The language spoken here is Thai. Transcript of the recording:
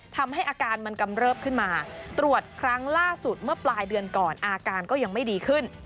ทำให้อาการมันกำเริบขึ้นมาตรวจครั้งล่าสุดเมื่อปลายเดือนก่อนอาการก็ยังไม่ดีขึ้น